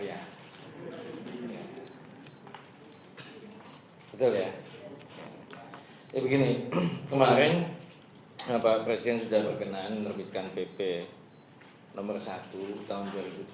ya begini kemarin pak presiden sudah berkenaan menerbitkan bp no satu tahun dua ribu tujuh belas